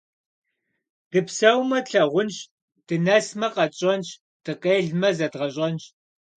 Дыпсэумэ - тлъагъунщ, дынэсмэ – къэтщӏэнщ, дыкъелмэ – зэдгъэщӏэнщ.